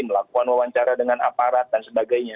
melakukan wawancara dengan aparat dan sebagainya